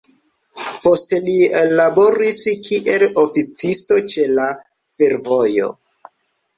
Poste li laboris kiel oficisto ĉe la fervojo.